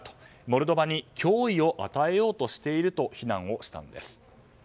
モルドバに脅威を与えようとしていると非難をしたんです。